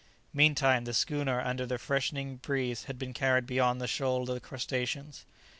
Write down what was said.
Meantime, the schooner under the freshening breeze had been carried beyond the shoal of the crustaceans.